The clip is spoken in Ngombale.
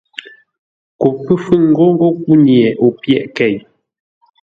Ko pə́ fúŋ ghó ńgó kúnye, o pyéʼ kei.